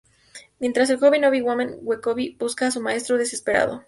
Mientras, el joven Obi-Wan Kenobi busca a su maestro, desesperado.